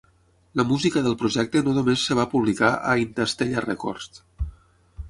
La música del projecte no només es va publicar a Intastella Records.